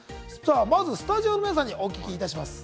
まずスタジオの皆さんにお聞きします。